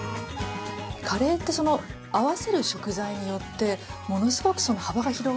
カレーって合わせる食材によってものすごく幅が広がるんですよね。